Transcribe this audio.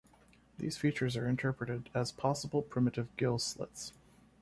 These features are interpreted as possible primitive gill slits.